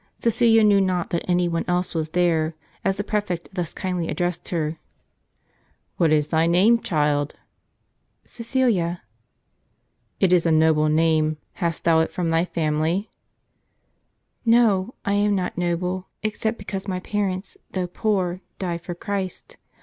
Cecilia knew not that any one else was there, as the pi'efect thus kindly addressed her ;" What is thy name, child ?"" Caicilia." " It is a noble name ; hast thou it from thy family ?"" No ; I am not noble ; except because my parents, though poor, died for Christ.